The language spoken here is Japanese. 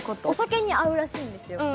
お酒に合うらしいんですよ。